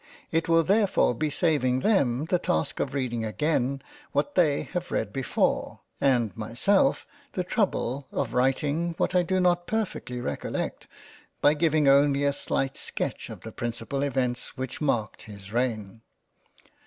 It will therefore be saving them the task of reading again what they have read before, and myself the trouble of writing what I do not per fectly recollect, by giving only a slight sketch of the principal Events which marked his reign.